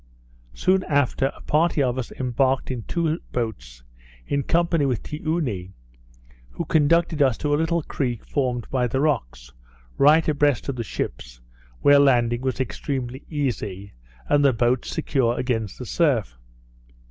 Soon after, a party of us embarked in two boats, in company with Tioony, who conducted us to a little creek formed by the rocks, right abreast of the ships, where landing was extremely easy, and the boats secure against the surf.